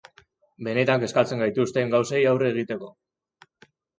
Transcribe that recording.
Benetan kezkatzen gaituzten gauzei aurre egiteko.